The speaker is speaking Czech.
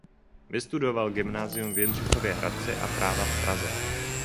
Vystudoval gymnázium v Jindřichově Hradci a práva v Praze.